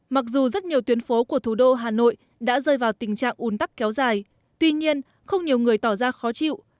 mặc dù rất nhiều tuyến phố của thủ đô hà nội đã rơi vào tình trạng un tắc kéo dài tuy nhiên không nhiều người tỏ ra khó chịu